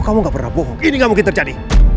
taman karimun parmae